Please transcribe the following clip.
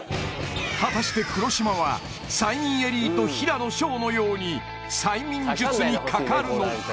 果たして黒島は催眠エリート・平野紫耀のように催眠術にかかるのか？